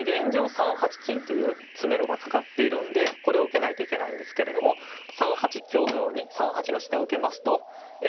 ３八金という詰めろがかかっているのでこれを受けないといけないんですけれども３八香のように３八の地点を受けますとえ